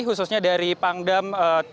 khususnya dari pangdam